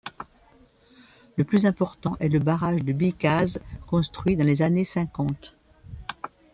Le plus important est le barrage de Bicaz construit dans les années cinquante.